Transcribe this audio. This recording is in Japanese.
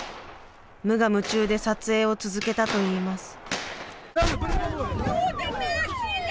無我夢中で撮影を続けたといいます。